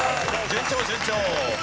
順調順調。